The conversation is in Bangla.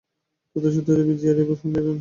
তথ্যসূত্র বিজিআর, ফোনএরেনা।